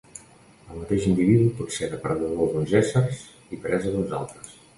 Un mateix individu pot ser depredador d'uns éssers i presa d'uns altres.